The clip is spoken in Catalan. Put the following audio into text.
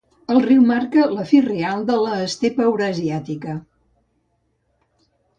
El riu marca la fi real de l'estepa eurasiàtica.